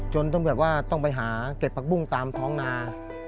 จนต้องไปหาเก็บปลากบุ้งตามท้องนา